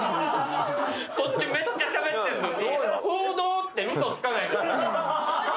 こっちめっちゃしゃべってるのに。